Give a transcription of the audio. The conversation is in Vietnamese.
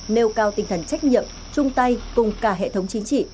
nêu cao tinh thần trách nhiệm chung tay cùng cả hệ thống chính trị